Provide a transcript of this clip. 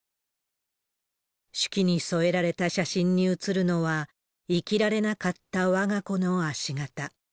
手記に添えられた写真に写るのは、生きられなかったわが子の足形。